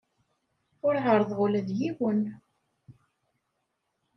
Ur ɛerrḍeɣ ula d yiwen.